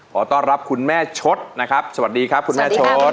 ขอต้อนรับคุณแม่ชดนะครับสวัสดีครับคุณแม่ชด